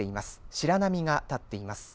白波が立っています。